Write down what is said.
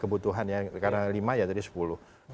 kebutuhan ya karena lima ya tadi sepuluh